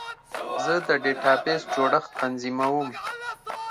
زه د ډیټابیس جوړښت تنظیموم.